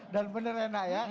dan benar enak ya